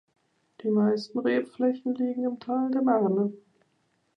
Die meisten Rebflächen liegen im Tal der Marne.